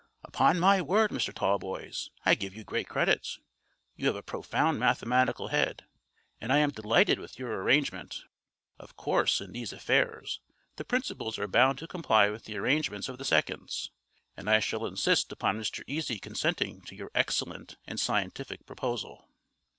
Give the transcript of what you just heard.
"Upon my word, Mr. Tallboys, I give you great credit; you have a profound mathematical head, and I am delighted with your arrangement. Of course in these affairs the principals are bound to comply with the arrangements of the seconds, and I shall insist upon Mr. Easy consenting to your excellent and scientific proposal."